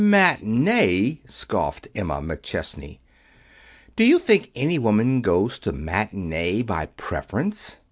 "Matinee!" scoffed Emma McChesney. "Do you think any woman goes to matinee by preference?